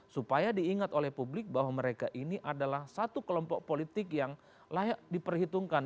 supaya diingat oleh publik bahwa mereka ini adalah satu kelompok politik yang layak diperhitungkan